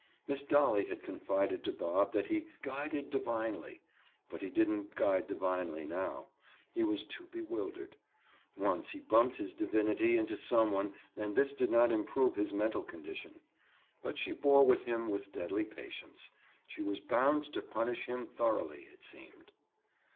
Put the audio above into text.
Miss Dolly had confided to Bob that he "guided divinely," but he didn't guide divinely now; he was too bewildered. Once he bumped his divinity into some one and this did not improve his mental condition. But she bore with him with deadly patience; she was bound to punish him thoroughly, it seemed.